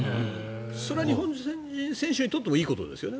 それは日本人選手にとってもいいことですよね。